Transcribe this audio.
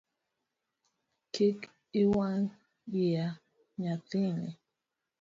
Kik iwang’ iya nyathini.